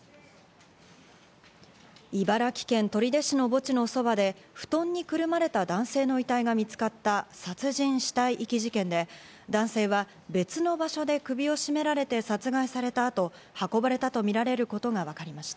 茨城県取手市の墓地のそばで布団にくるまれた男性の遺体が見つかった殺人・死体遺棄事件で、男性は別の場所で首を絞められて殺害されたあと運ばれたとみられることがわかりました。